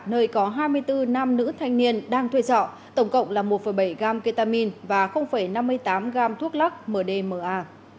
nơi có hai mươi bốn nam nữ thanh niên đang thuê trọ tổng cộng là một bảy gram ketamine và năm mươi tám gam thuốc lắc mdma